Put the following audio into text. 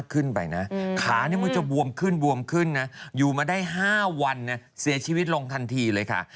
ขึ้นไปนะขานี่มันจะบวมขึ้นบวมขึ้นนะอยู่มาได้๕วันเสียชีวิตลงทันทีเลยค่ะ